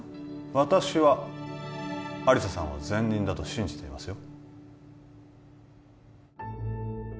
私は亜理紗さんは善人だと信じていますよ